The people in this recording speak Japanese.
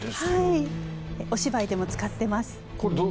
お芝居でも使ってます。